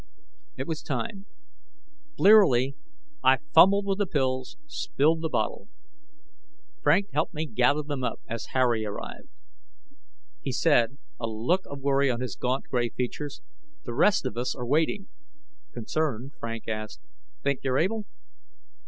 It was time. Blearily, I fumbled with the pills, spilled the bottle. Frank helped me gather them up, as Harry arrived. He said, a look of worry on his gaunt, gray features, "The rest of us are waiting." Concerned, Frank asked, "Think you're able?"